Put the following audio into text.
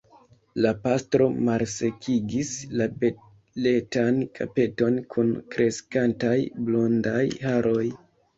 La pastro malsekigis la beletan kapeton kun kreskantaj blondaj haroj.